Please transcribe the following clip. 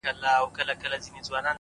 چاودلی زړه به خپل پرودگار ته ور وړم’